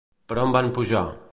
Per on van pujar?